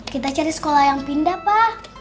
kita cari sekolah yang pindah pak